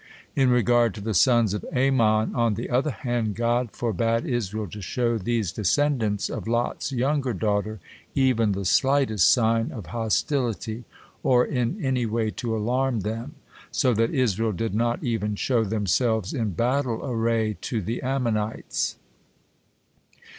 In regard to the sons of Ammon, on the other hand, God forbade Israel to show these descendants of Lot's younger daughter even the slightest sign of hostility, or in any way to alarm them, so that Israel did not even show themselves in battle array to the Ammonites.